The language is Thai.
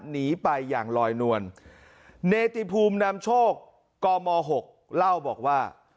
หนีไปอย่างลอยนวลเนติภูมินำโชคกม๖เล่าบอกว่า